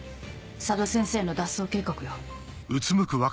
佐渡先生の脱走計画よ。